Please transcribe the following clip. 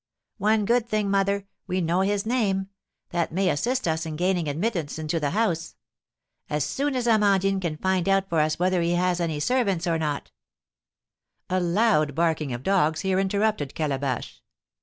One good thing, mother, we know his name; that may assist us in gaining admittance into the house. As soon as Amandine can find out for us whether he has any servants or not " A loud barking of dogs here interrupted Calabash.